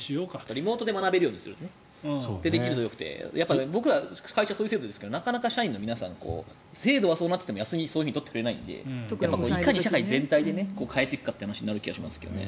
リモートで学べるようにできるとよくて僕ら、会社そういう制度ですけどなかなか社員の皆さん制度はそうなっていても休みを取ってくれないのでいかに社会全体で変えていくかという話になると思いますけどね。